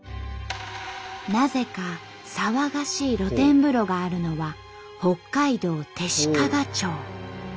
なぜか騒がしい露天風呂があるのは北海道弟子屈町。